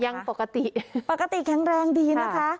ยังปกติปกติแข็งแรงดีนะคะ